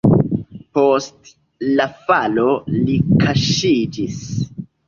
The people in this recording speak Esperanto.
Post la falo li kaŝiĝis.